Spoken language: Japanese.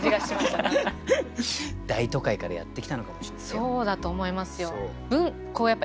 何かこのそうだと思いますよ。